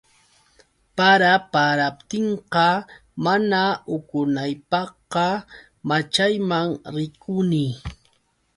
Para paraptinqa, mana uqunaypaqqa, maćhayman rikuni.